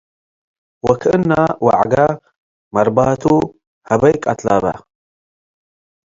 ወክእነ' ወዐገ መርባቱ ሀበይ ቀትለ በ።